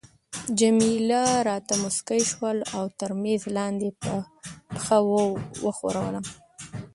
جميله راته مسکی شول او تر میز لاندي يې په پښه وښورولم.